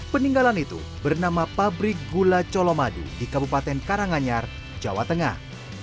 peninggalan itu bernama pabrik gula colomadu di kabupaten karanganyar jawa tengah